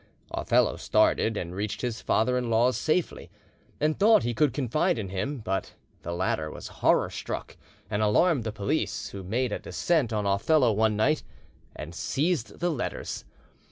Othello started, and reached his father in law's safely, and thought he could confide in him; but the latter was horror struck, and alarmed the police, who made a descent on Othello one night, and seized the letters.